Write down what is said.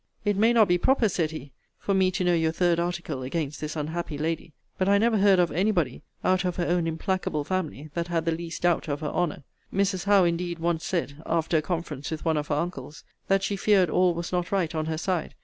It may not be proper, said he, for me to know your third article against this unhappy lady: but I never heard of any body, out of her own implacable family, that had the least doubt of her honour. Mrs. Howe, indeed, once said, after a conference with one of her uncles, that she feared all was not right on her side.